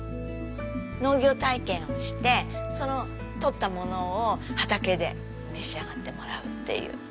農業体験をして取ったものを畑で召し上がってもらうっていう。